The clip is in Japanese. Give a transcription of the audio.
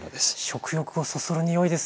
食欲をそそる匂いです